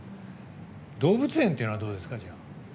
動物園っていうのはどうですか？